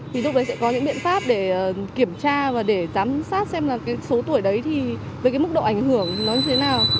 thì lúc đấy sẽ có những biện pháp để kiểm tra và để giám sát xem là cái số tuổi đấy thì với cái mức độ ảnh hưởng nó như thế nào